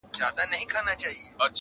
• د هجر داغ مي زخم ناصور دی -